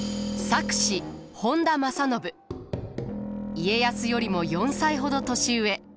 家康よりも４歳ほど年上。